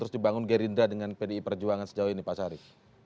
terus dibangun gerindra dengan pdi perjuangan sejauh ini pak syarif